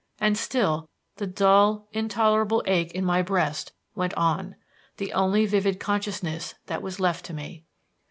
And still the dull, intolerable ache in my breast went on, the only vivid consciousness that was left to me.